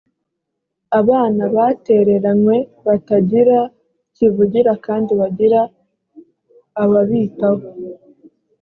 abana batereranywe batagira kivurira kandi bagira ababitaho